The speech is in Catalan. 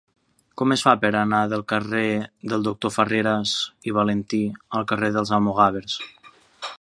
Com es fa per anar del carrer del Doctor Farreras i Valentí al carrer dels Almogàvers?